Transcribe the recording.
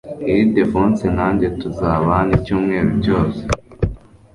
Ildephonse nanjye tuzaba hano icyumweru cyose .